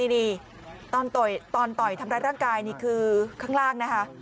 นี่ตอนต่อยทำร้ายร่างกายนี่คือข้างล่างนะคะ